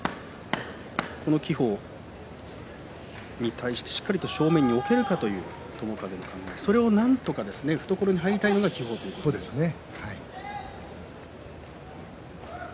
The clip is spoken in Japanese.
この輝鵬に対してしっかりと正面におけるかどうかというところそこをなんとか懐に入りたいのが輝鵬ということになりますね。